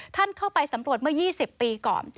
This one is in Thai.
ท่านเข้าไปสำรวจเมื่อ๒๐ปีก่อน